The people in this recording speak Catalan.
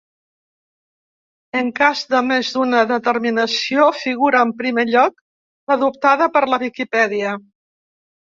En cas de més d'una denominació figura en primer lloc l'adoptada per la Viquipèdia.